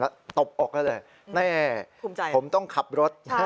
แล้วตบอกได้เลยแน่ผมต้องขับรถ